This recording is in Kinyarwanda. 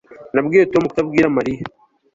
Nabwiye Tom kutabwira Mariya